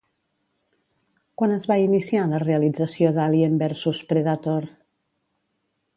Quan es va iniciar la realització d'Alien versus Predator?